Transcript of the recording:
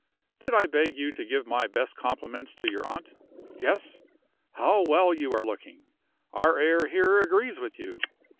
Did I beg you to give my best compliments to your aunt? Yes? How well you are looking! our air here agrees with you.